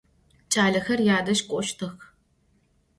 Ç'alexer yadej k'oştıx.